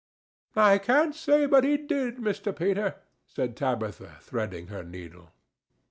"I can't say but he did, Mr. Peter," said Tabitha, threading her needle.